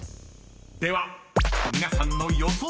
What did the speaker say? ［では皆さんの予想